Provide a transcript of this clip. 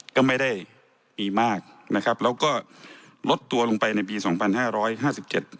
ก็ไม่ได้มีมากนะครับแล้วก็ลดตัวลงไปในปีสองพันห้าร้อยห้าสิบเจ็ด